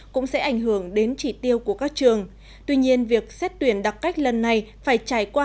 cũng sẽ ảnh hưởng đến chỉ tiêu của các trường tuy nhiên việc xét tuyển đặc cách lần này phải trải qua